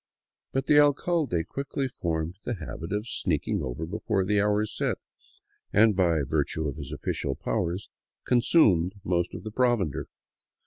But the alcalde quickly formed the habit of sneaking over before the hour set and, by virtue of his official powers, consuming most of the provender.